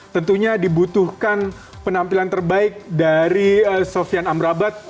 tentunya dibutuhkan penampilan terbaik dari sofian amrabat